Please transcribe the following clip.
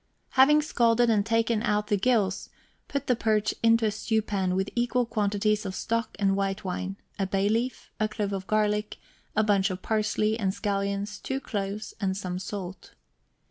Having scalded and taken out the gills, put the perch into a stew pan, with equal quantities of stock and white wine, a bay leaf, a clove of garlic, a bunch of parsley, and scallions, two cloves, and some salt.